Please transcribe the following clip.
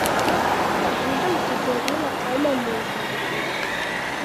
Йӱдым Катерина омым ужын.